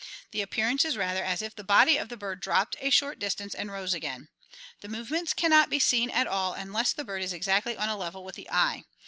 The appearance is rather as if the body of the bird dropped VOLANT ADAPTATION 349 a very short distance and rose again. The movements can not be seen at all unless the bird is exactly on a level with the eye.